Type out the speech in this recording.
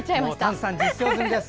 丹さん、実証済みです。